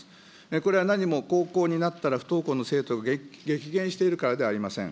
これは何も高校になったら不登校の生徒が激減しているからではありません。